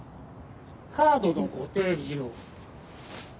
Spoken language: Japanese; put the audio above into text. カードのご提示を。